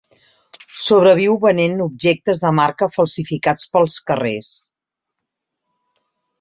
Sobreviu venent objectes de marca falsificats pels carrers.